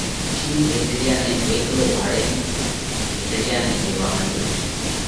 شِينه گھيٽڙِيا نئہ هيڪلو اُوڀو ڀاۯينَ گھيٽڙِيا نئہ ڪيوا مڏيو: